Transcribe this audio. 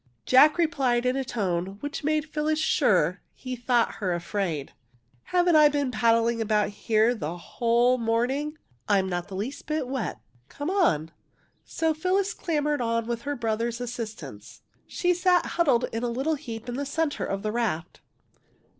" Jack replied, in a tone which made Phyllis sure he thought her afraid. Haven't I been paddling about here the (< 140 THE IRIS whole morning? I'm not the least bit wet. Come on! " So Phyllis clambered on with her brother's assistance. She sat huddled in a little heap in the centre of the raft.